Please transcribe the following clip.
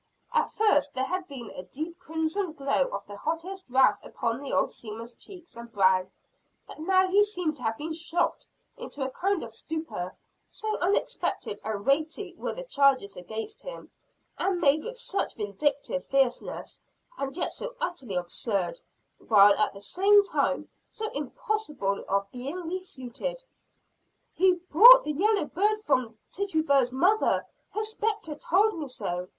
At first there had been a deep crimson glow of the hottest wrath upon the old man's cheeks and brow; but now he seemed to have been shocked into a kind of stupor, so unexpected and weighty were the charges against him, and made with such vindictive fierceness; and yet so utterly absurd, while at the same time, so impossible of being refuted. "He bought the yellow bird from Tituba's mother her spectre told me so!"